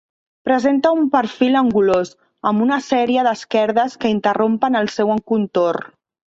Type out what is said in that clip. Presenta un perfil angulós, amb una sèrie d'esquerdes que interrompen el seu contorn.